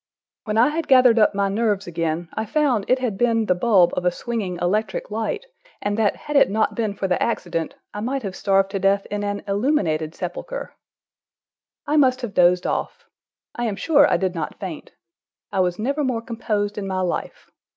When I had gathered up my nerves again, I found it had been the bulb of a swinging electric light, and that had it not been for the accident, I might have starved to death in an illuminated sepulcher. I must have dozed off. I am sure I did not faint. I was never more composed in my life.